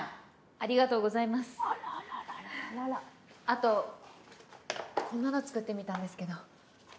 あとこんなの作ってみたんですけど。